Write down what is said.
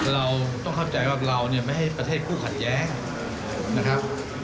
เราต้องเข้าใจว่าเราเนี่ยไม่ให้ประเทศคู่ขัดแย้งนะครับ